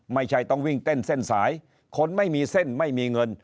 ไม่ใช่ต้องวิ่งเต้นเส้นสายคนไม่มีเส้นไม่มีเงิน